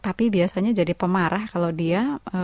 tapi biasanya jadi pemarah kalau dia